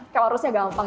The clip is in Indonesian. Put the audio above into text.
kayak harusnya gampang